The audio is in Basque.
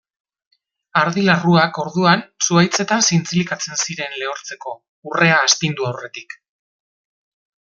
Ardi larruak, orduan, zuhaitzetan zintzilikatzen ziren lehortzeko, urrea astindu aurretik.